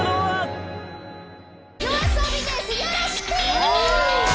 よろしく！